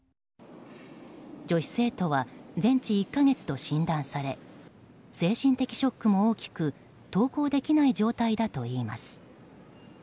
女子生徒は全治１か月と診断され精神的ショックも大きく登校できない状態だといいます。